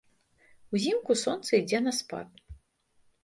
Узімку сонца ідзе на спад.